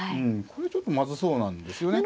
これちょっとまずそうなんですよね。